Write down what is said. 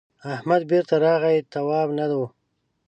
احمد بېرته راغی تواب نه و.